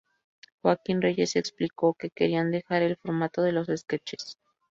Joaquín Reyes explicó que querían dejar el formato de los sketches.